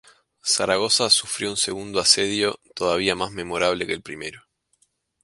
Zaragoza sufrió un segundo asedio todavía más memorable que el primero.